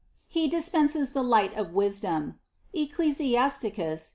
He dispenses the light of wisdom (Ecclus.